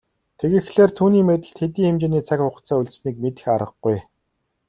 Тэгэхлээр түүний мэдэлд хэдий хэмжээний цаг хугацаа үлдсэнийг мэдэх аргагүй.